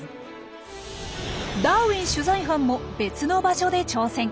ダーウィン取材班も別の場所で挑戦。